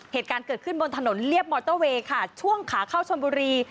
เหตุการณ์เกิดขึ้นบนถนนเรียบมอเตอร์เวย์ค่ะช่วงขาเข้าชนบุรี